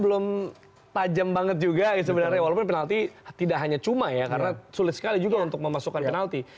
belum tajam banget juga sebenarnya walaupun penalti tidak hanya cuma ya karena sulit sekali juga untuk memasukkan penalti